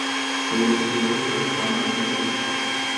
د ولسي جرګي غړي ځوانان کيدای سي.